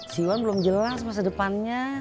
si iwan belum jelas masa depannya